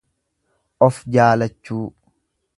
Of jaalachuu.